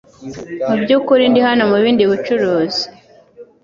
Mubyukuri ndi hano mubindi bucuruzi .